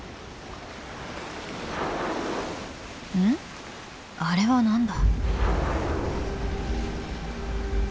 「ん？あれは何だ？」。